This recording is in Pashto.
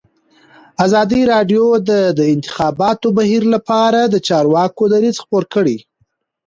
ازادي راډیو د د انتخاباتو بهیر لپاره د چارواکو دریځ خپور کړی.